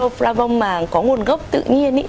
isofarvon mà có nguồn gốc tự nhiên